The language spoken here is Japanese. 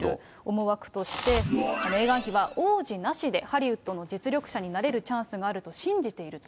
思惑として、メーガン妃は王子なしでハリウッドの実力者になれるチャンスがあると信じていると。